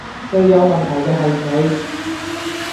最有問題既係你